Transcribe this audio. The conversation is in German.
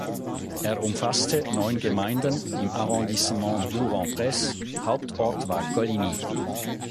Er umfasste neun Gemeinden im Arrondissement Bourg-en-Bresse; Hauptort war Coligny.